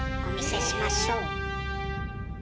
お見せしましょう。